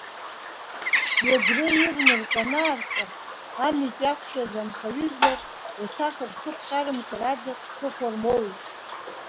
Егры ирны рҿанаарха, амитә иақәшәаз анхаҩыжәлар еиҭах рхы ԥхьарымкыр ада ԥсыхәа рмоуит.